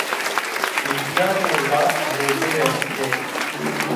Mîlyarê ra zêdêr est ê